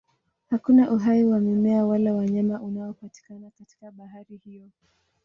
Hakuna uhai wa mimea wala wanyama unaopatikana katika bahari hiyo.